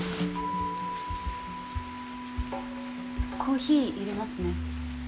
コーヒーいれますね。